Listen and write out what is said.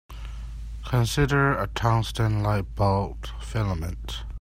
Consider a tungsten light-bulb filament.